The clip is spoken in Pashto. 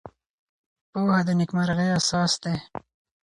پوهه د نېکمرغۍ اساس دی.